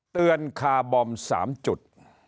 เตือนคาร์บอม๓จุด